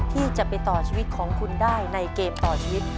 ที่จะไปต่อชีวิตของคุณได้ในเกมต่อชีวิต